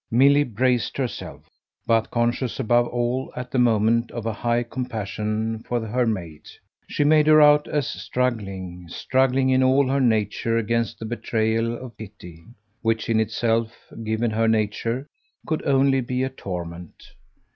Milly braced herself but conscious above all, at the moment, of a high compassion for her mate. She made her out as struggling struggling in all her nature against the betrayal of pity, which in itself, given her nature, could only be a torment.